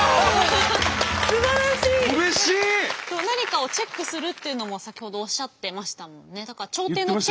何かをチェックするっていうのも先ほどおっしゃってましたもんね。